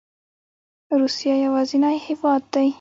روسیه یوازینی هیواد دی